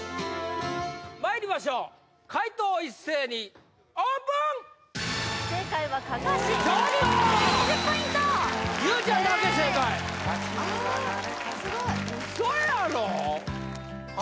まいりましょう解答一斉にオープン正解は「案山子」１人正解２０ポイント優ちゃんだけ正解ウソやろ！